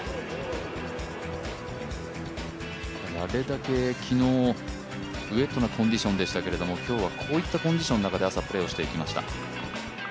あれだけ昨日、ウェットなコンディションでしたけど今日はこういったコンディションの中で、朝、プレーをしていきました。